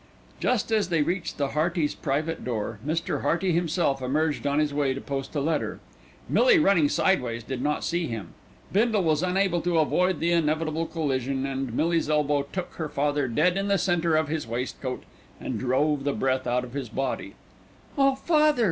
Just as they reached the Heartys' private door, Mr. Hearty himself emerged on his way to post a letter. Millie running sideways did not see him. Bindle was unable to avoid the inevitable collision, and Millie's elbow took her father dead in the centre of his waistcoat and drove the breath out of his body. "Oh, father!"